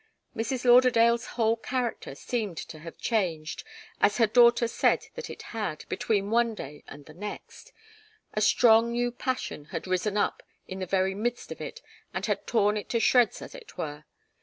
Mrs. Lauderdale's whole character seemed to have changed, as her daughter said that it had, between one day and the next. A strong new passion had risen up in the very midst of it and had torn it to shreds, as it were.